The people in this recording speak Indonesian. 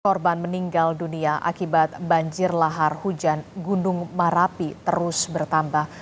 korban meninggal dunia akibat banjir lahar hujan gunung marapi terus bertambah